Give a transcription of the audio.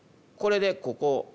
これでここを。